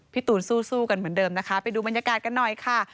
ตูนสู้กันเหมือนเดิมนะคะไปดูบรรยากาศกันหน่อยค่ะ